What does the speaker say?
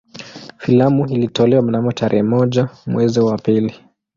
Filamu ilitolewa mnamo tarehe moja mwezi wa pili